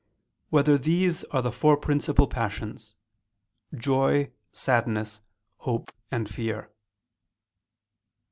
4] Whether These Are the Four Principal Passions: Joy, Sadness, Hope and Fear?